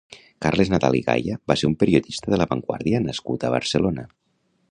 Carles Nadal i Gaya va ser un periodista de La Vanguardia nascut a Barcelona.